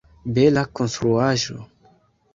Bela konstruaĵo!